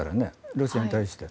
ロシアに対して。